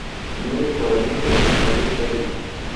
نوې کورنۍ د نوې نړۍ پیل وي